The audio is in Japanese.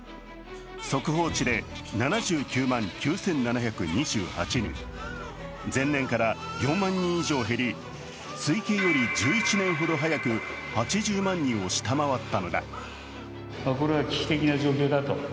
速報値で７９万９７２８人、前年から４万人以上減り推計より１１年ほど早く８０万人を下回ったのだ。